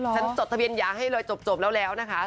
จดทะเบียนยาให้เลยจบแล้วนะคะ